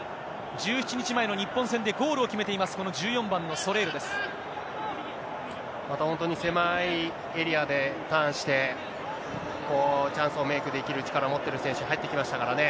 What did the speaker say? １７日前の日本戦でゴールを決めています、この１４番のソレールまた本当に狭いエリアでターンして、チャンスをメークできる力を持ってる選手が入ってきましたからね。